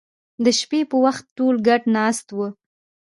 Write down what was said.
د شپې په وخت ټول ګډ ناست وو